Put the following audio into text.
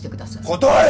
断る！